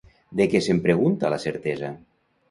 De què se'n pregunta la certesa?